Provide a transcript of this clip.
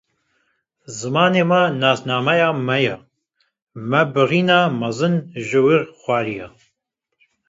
Zimanê me nasnameya me ye, me birîna mezin ji wir xwariye.